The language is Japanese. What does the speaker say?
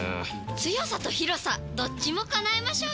強さと広さどっちも叶えましょうよ！